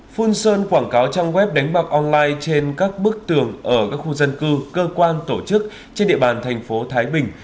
phun sơn quảng cáo trang web đánh bạc online trên các bức tường ở các khu dân cư cơ quan tổ chức trên địa bàn thành phố thái bình